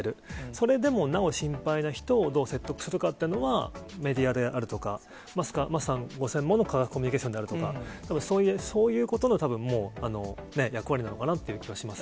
それでもなお心配な人をどう説得するかっていうのは、メディアであるとか、桝さんご専門の科学コミュニケーションであるとか、たぶんそういうことの役割なのかなっていう気はします。